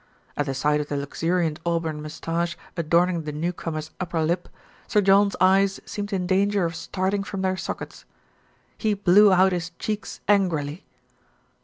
At the sight of the luxuriant auburn moustache adorning the newcomer's upper lip, Sir John's eyes seemed in danger of starting from their sockets. He blew out his cheeks angrily.